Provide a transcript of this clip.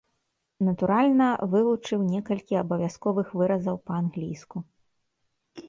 Натуральна, вывучыў некалькі абавязковых выразаў па-англійску.